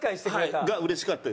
が嬉しかったです。